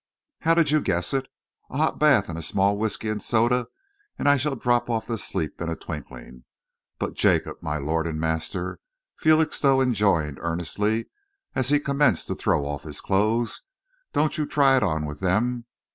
"How did you guess it! A hot bath and a small whisky and soda, and I shall drop off to sleep in a twinkling. But, Jacob, my lord and master," Felixstowe enjoined earnestly, as he commenced to throw off his clothes, "don't you try it on with them.